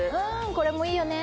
これもいいよね